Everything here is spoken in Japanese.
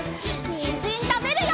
にんじんたべるよ！